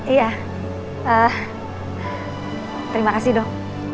iya terima kasih dok